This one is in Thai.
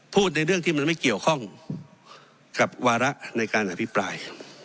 ในเรื่องที่มันไม่เกี่ยวข้องกับวาระในการอภิปราย